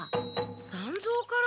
団蔵から？